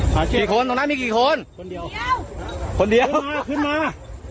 มากี่คนตรงนั้นมีกี่คนคนเดียวคนเดียวมาขึ้นมา